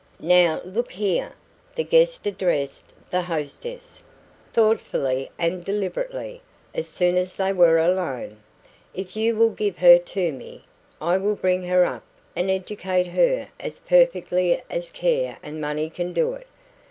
"Now, look here," the guest addressed the hostess, thoughtfully and deliberately, as soon as they were alone, "if you will give her to me, I will bring her up and educate her as perfectly as care and money can do it.